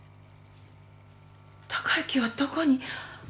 貴之はどこに？